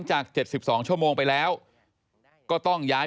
พบหน้าลูกแบบเป็นร่างไร้วิญญาณ